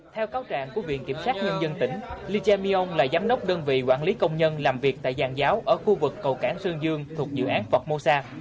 theo cáo trạng của viện kiểm sát nhân dân tỉnh lee jae myung là giám đốc đơn vị quản lý công nhân làm việc tại giàn giáo ở khu vực cầu cảng sơn dương thuộc dự án phóc mô sa